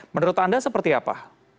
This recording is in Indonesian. menurut anda seperti apa